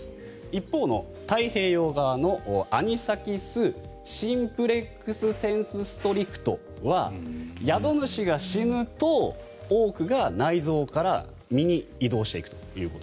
一方の太平洋側のアニサキス・シンプレックス・センス・ストリクトは宿主が死ぬと多くが内臓から身に移動していくと。